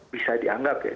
bisa dianggap ya